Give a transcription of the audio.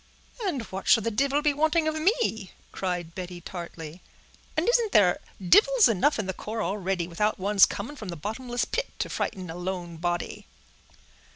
"And what should the divil be wanting of me?" cried Betty, tartly. "And isn't there divils enough in the corps already, without one's coming from the bottomless pit to frighten a lone body?"